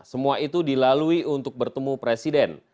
semua itu dilalui untuk bertemu presiden